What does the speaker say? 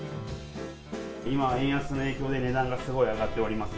今、円安の影響で、値段がすごい上がっております。